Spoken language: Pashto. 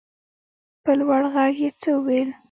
په لوړ غږ يې څه وويل.